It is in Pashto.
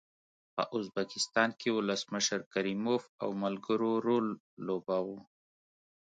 په ازبکستان کې ولسمشر کریموف او ملګرو رول لوباوه.